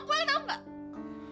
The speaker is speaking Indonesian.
aku tuh ngapain tau gak